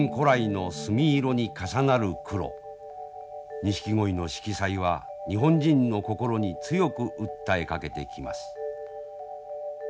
ニシキゴイの色彩は日本人の心に強く訴えかけてきます。